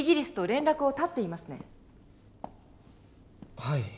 はい。